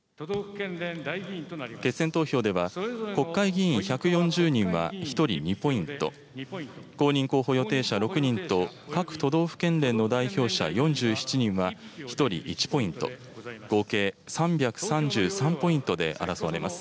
決選投票では、国会議員１４０人は１人２ポイント、公認候補予定者６人と、各都道府県連の代表者４７人は１人１ポイント、合計３３３ポイントで争われます。